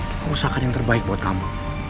aku usahakan yang terbaik buat kamu